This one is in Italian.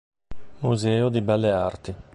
Museo di belle arti